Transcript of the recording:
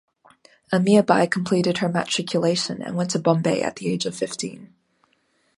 Amirbai completed her matriculation and went to Bombay at the age of fifteen.